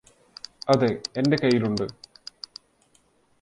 അതെ എന്റെ കയ്യിലുണ്ട്